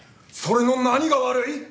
それの何が悪い？